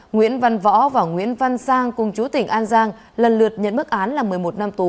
nguyễn văn võ và nguyễn văn sang cùng chú tỉnh an giang lần lượt nhận mức án là một mươi một năm tù